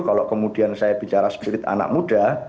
kalau kemudian saya bicara spirit anak muda